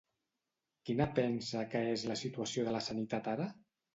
Quina pensa que és la situació de la sanitat ara?